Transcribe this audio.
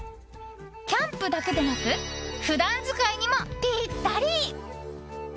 キャンプだけでなく普段使いにもぴったり！